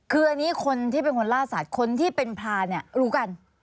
คืออันนี้คนที่เป็นคนล่าสัตว์คนที่เป็นพรานเนี่ยรู้กัน